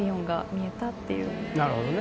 なるほどね。